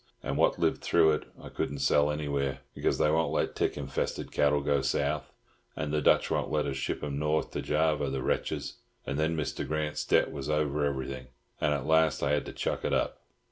And what lived through it I couldn't sell anywhere, because they won't let tick infested cattle go south, and the Dutch won't let us ship 'em north to Java, the wretches! And then Mr. Grant's debt was over everything; and at last I had to chuck it up.